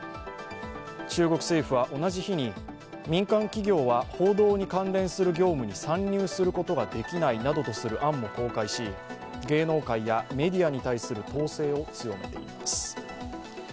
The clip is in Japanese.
中国政府は同じ日に、民間企業は報道に関連する業務に参入することができないなどとする案も公開し芸能界やメディアに対する統制を強めています。